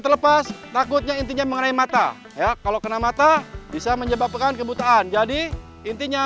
terlepas takutnya intinya mengenai mata ya kalau kena mata bisa menyebabkan kebutaan jadi intinya